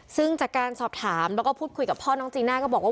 ซึ่งจากการสอบถามแล้วก็พูดคุยกับพ่อน้องจีน่าก็บอกว่า